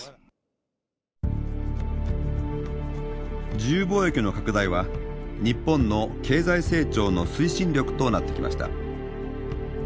自由貿易の拡大は日本の経済成長の推進力となってきました。